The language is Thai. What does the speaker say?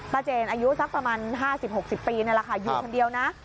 เจนอายุสักประมาณ๕๐๖๐ปีนี่แหละค่ะอยู่คนเดียวนะ